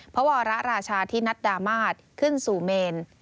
พระวรราชาธินัดดามาศขึ้นสู่เมน